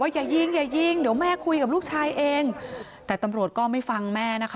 อย่ายิงอย่ายิงเดี๋ยวแม่คุยกับลูกชายเองแต่ตำรวจก็ไม่ฟังแม่นะคะ